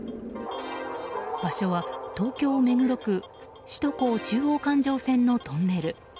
場所は東京・目黒区首都高中央環状線のトンネル。